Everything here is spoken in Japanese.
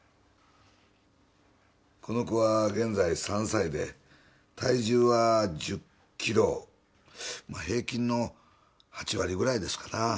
この子は現在３歳で体重は１０キロまあ平均の８割くらいですかな